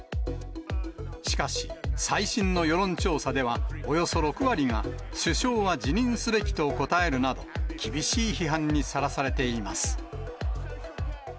しかし、最新の世論調査ではおよそ６割が首相は辞任すべきと答えるなど、厳しい批判にさらされています。